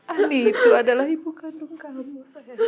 ahli itu adalah ibu kandung kamu